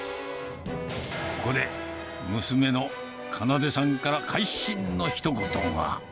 ここで娘の奏さんから会心のひと言が。